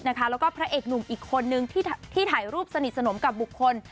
แล้วก็พระเอกหนุ่มอีกคนนึงที่ถ่ายรูปสนิทสนมกับบุคคล